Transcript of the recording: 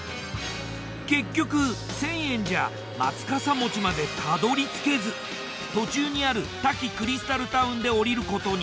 結局１，０００円じゃまつかさ餅までたどり着けず途中にある多気クリスタルタウンで降りることに。